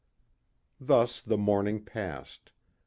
Thus the morning passed.